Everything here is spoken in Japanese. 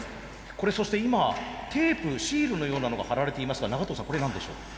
これそして今テープシールのようなのが貼られていますが長藤さんこれ何でしょう。